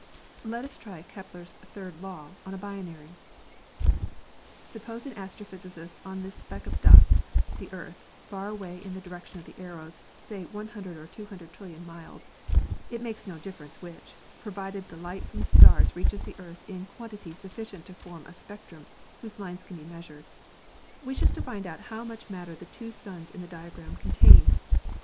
"Let us try Kepler's third law on a binary. "Suppose an astrophysicist on this speck of dust, the Earth, far away in the direction of the arrows, say 100 or 200 trillion miles — it makes no difference which, provided light from the stars reaches the Earth in quantity sufficient to form a spectrum whose lines can be measured — wishes to find how much matter the two suns in the diagram con tain.